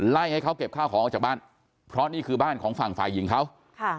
ให้เขาเก็บข้าวของออกจากบ้านเพราะนี่คือบ้านของฝั่งฝ่ายหญิงเขาค่ะ